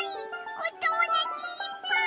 おともだちいっぱい！